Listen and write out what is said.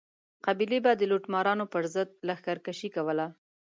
قبیلې به د لوټمارانو پر ضد لښکر کشي کوله.